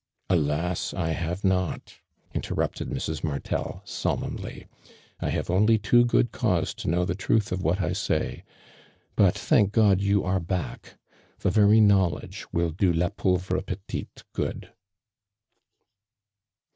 '' "Alas! I have not," interrupted Mrs. Martol, solemnly. •' I have only too good cause to know the truth of what I say. But thunk God, you are hack. The very know ledge will do la pauvre petite good."